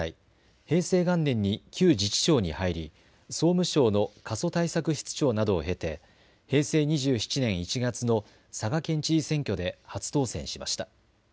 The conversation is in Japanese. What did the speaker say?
平成元年に旧自治省に入り総務省の過疎対策室長などを経て平成２７年１月の佐賀県知事選挙で初当選しました。